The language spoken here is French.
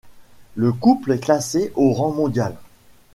Le couple est classé au rang mondial.